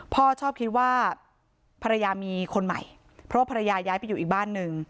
พ่อชอบคิดว่าภรรยามีคนใหม่เพราะภรรยาย้ายไปอยู่อีกบ้านหนึ่ง